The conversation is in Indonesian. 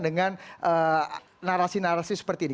dengan narasi narasi seperti ini